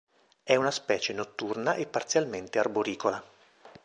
È una specie notturna e parzialmente arboricola.